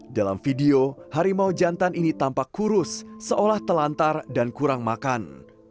dalam video harimau jantan ini tampak kurus seolah telantar dan kurang makan